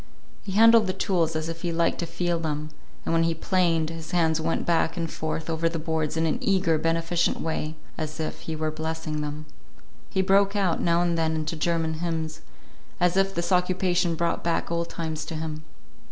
He handled the tools as if he liked the feel of them; and when he planed, his hands went back and forth over the boards in an eager, beneficent way as if he were blessing them. He broke out now and then into German hymns, as if this occupation brought back old times to him.